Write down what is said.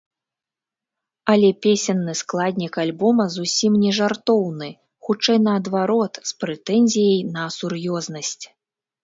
Але песенны складнік альбома зусім не жартоўны, хутчэй наадварот, з прэтэнзіяй на сур'ёзнасць.